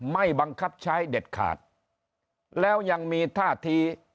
ไม่บังคับใช้เด็ดขาดแล้วยังมีท่าที